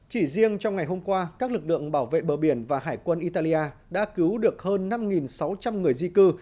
chỉ riêng trong ngày hôm qua các lực lượng bảo vệ bờ biển và hải quân italia đã cứu được hơn năm sáu trăm linh người di cư